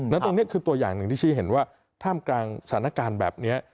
แล้วตรงนี้คือตัวอย่างหนึ่งที่ชี้เห็นว่าท่ามกลางสถานการณ์แบบนี้